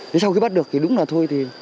thế sau khi bắt được thì đúng là thôi